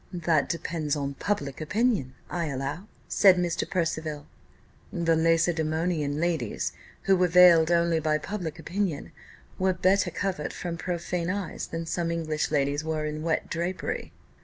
"That depends on public opinion, I allow," said Mr. Percival. "The Lacedaemonian ladies, who were veiled only by public opinion, were better covered from profane eyes than some English ladies are in wet drapery."